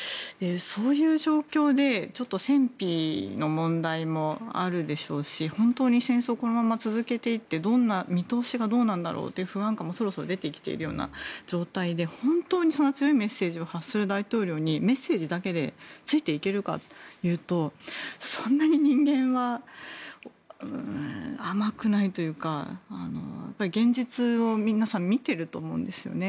そういう状況で戦費の問題もあるでしょうし本当に戦争、このまま続けていって見通しがどうなんだろうという不安感もそろそろ出てきているような状態で強いメッセージを発する大統領にメッセージだけでついていけるかというとそんなに人間は甘くないというか、現実を皆さん見てると思うんですね。